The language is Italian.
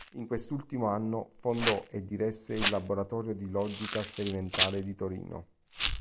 In quest'ultimo anno fondò e diresse il laboratorio di logica sperimentale di Torino.